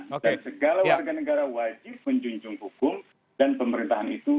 dan segala warga negara wajib menjunjung hukum dan pemerintahan itu